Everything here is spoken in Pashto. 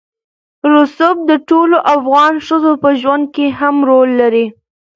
رسوب د ټولو افغان ښځو په ژوند کې هم رول لري.